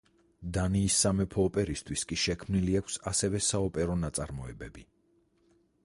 დანიის სამეფო ოპერისთვის კი შექმნილი აქვს ასევე საოპერო ნაწარმოები.